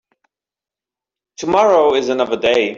Tomorrow is another day.